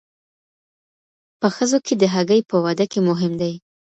په ښځو کې د هګۍ په وده کې مهم دی.